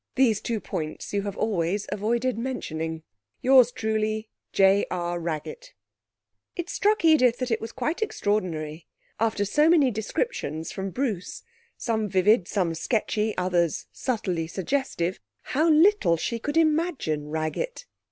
These two points you have always avoided mentioning. 'Y'rs truly, J.R. RAGGETT' It struck Edith that it was quite extraordinary, after so many descriptions from Bruce some vivid, some sketchy, others subtly suggestive how little she could imagine Raggett.